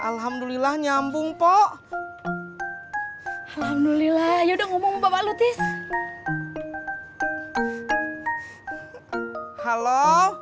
alhamdulillah nyambung pok alhamdulillah ya udah ngomong bapak lutis halo